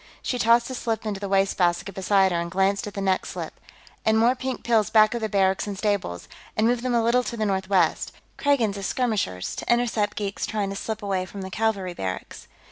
She tossed a slip into the wastebasket beside her and glanced at the next slip. "And more pink pills back of the barracks and stables, and move them a little to the northwest; Kragans as skirmishers, to intercept geeks trying to slip away from the cavalry barracks."